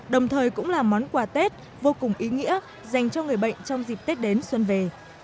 đồng thời cũng là món quà tết vô cùng ý nghĩa dành cho người bệnh trong dịp tết đến xuân về